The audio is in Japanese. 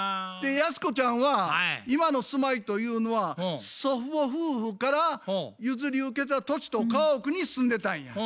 ヤスコちゃんは今の住まいというのは祖父母夫婦から譲り受けた土地と家屋に住んでたんや。